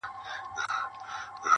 كوم خوشال به لړزوي په كټ كي زړونه-